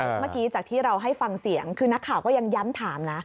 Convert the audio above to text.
เมื่อกี้จากที่เราให้ฟังเสียงคือนักข่าวก็ยังย้ำถามนะ